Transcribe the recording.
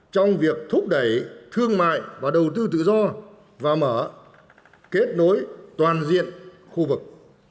trong việc thúc đẩy thương mại và đầu tư tự do và mở kết nối toàn diện khu vực